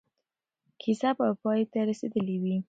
کیسه به پای ته رسېدلې وي.